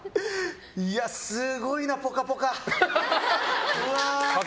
いや、すごいな「ぽかぽか」。